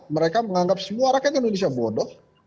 mereka menganggap semua rakyat indonesia bodoh